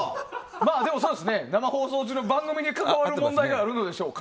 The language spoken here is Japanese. でも、生放送中の番組に関わる問題があるのでしょうか。